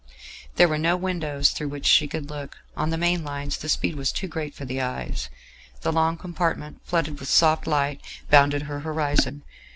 There were no windows through which she could look; on the main lines the speed was too great for the eyes; the long compartment flooded with soft light bounded her horizon.